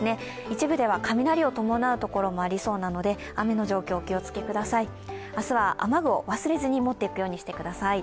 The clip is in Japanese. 一部では雷を伴う所もありそうなので雨の状況、お気をつけください。